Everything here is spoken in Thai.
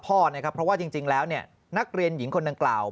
เพราะว่าจริงแล้วนักเรียนหญิงคนดังกล่าว